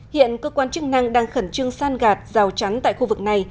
hiện cơ quan chức năng đang khẩn trương san gạt rào chắn tại khu vực này